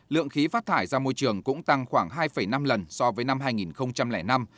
lượng khí phát thải ra môi trường cũng tăng khoảng hai năm lần so với năm hai nghìn năm